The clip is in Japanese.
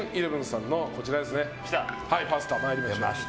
さんのパスタ、参りましょう。